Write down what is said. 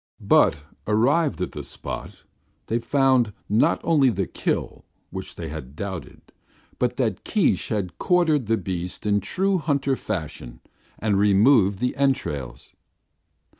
But arrived at the spot, they found not only the kill, which they had doubted, but that Keesh had quartered the beasts in true hunter fashion, and removed the entrails.